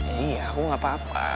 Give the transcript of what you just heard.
iya aku gak apa apa